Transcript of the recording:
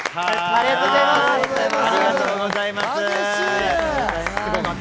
ありがとうございます！